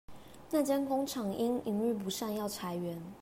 那間工廠因營運不善要裁員